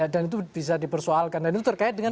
dan itu bisa dipersoalkan